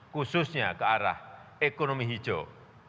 khususnya ke arah ekonomi hijau